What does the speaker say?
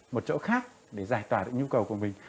một chỗ khác để giải tỏa được nhu cầu của mình